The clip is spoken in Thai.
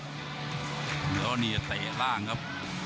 เดี๋ยวอันนี้จะเตะร่างครับ